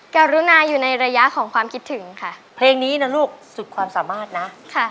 กรุณาอยู่ในระยะของความคิดถึงค่ะเพลงนี้นะลูกสุดความสามารถนะค่ะ